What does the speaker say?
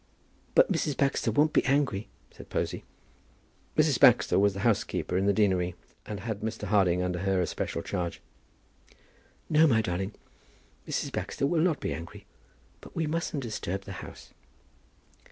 "But Mrs. Baxter won't be angry," said Posy. Mrs. Baxter was the housekeeper in the deanery, and had Mr. Harding under her especial charge. "No, my darling; Mrs. Baxter will not be angry, but we mustn't disturb the house."